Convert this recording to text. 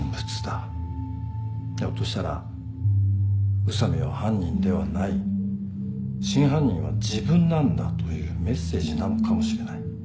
ひょっとしたら宇佐美は犯人ではない真犯人は自分なんだというメッセージなのかもしれない。